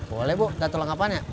boleh bu datang tolong kapan ya